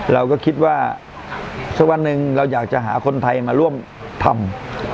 เราก็คิดว่าสักวันหนึ่งเราอยากจะหาคนไทยมาร่วมทำ